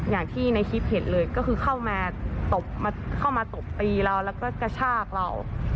อย่างที่ในคลิปเห็นเลยก็คือเข้ามาตบเข้ามาตบตีเราแล้วก็กระชากเรา